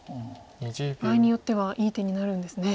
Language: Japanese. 場合によってはいい手になるんですね。